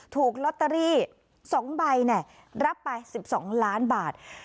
ถูกล็อตเตอรี่สองใบเนี่ยรับไปสิบสองล้านบาท